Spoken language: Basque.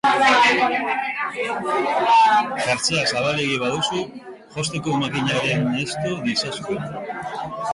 Jertsea zabalegi baduzu, josteko makinaren estu diezazuket.